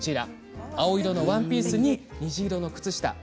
青色のワンピースに虹色の靴下。